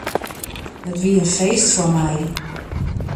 It wie in feest foar my.